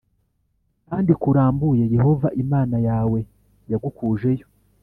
kandi kurambuye Yehova Imana yawe yagukujeyo.